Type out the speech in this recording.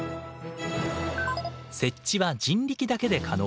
設置は人力だけで可能。